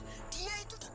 dia itu udah ganteng